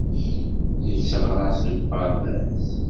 Netteɣraṣ deg uɣerbaz.